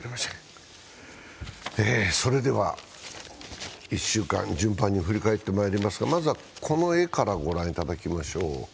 それでは１週間、順番に振り返ってまいりますが、まずは、この画からご覧いただきましょう。